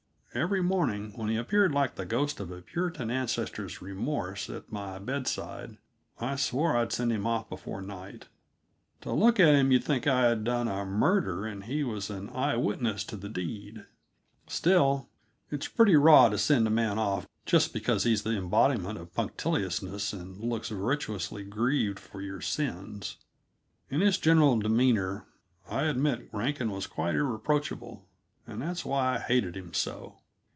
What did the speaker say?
Every morning when he appeared like the ghost of a Puritan ancestor's remorse at my bedside, I swore I'd send him off before night. To look at him you'd think I had done a murder and he was an eye witness to the deed. Still, it's pretty raw to send a man off just because he's the embodiment of punctiliousness and looks virtuously grieved for your sins. In his general demeanor, I admit that Rankin was quite irreproachable and that's why I hated him so.